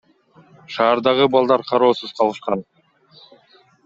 Шаардагы балдар кароосуз калышкан.